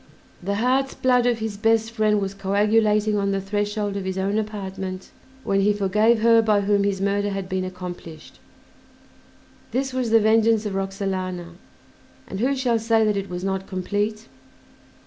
The heart's blood of his best friend was coagulating on the threshold of his own apartment when he forgave her by whom his murder had been accomplished. This was the vengeance of Roxalana, and who shall say that it was not complete?